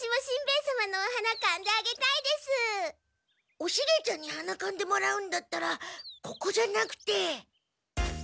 おシゲちゃんにはなかんでもらうんだったらここじゃなくて。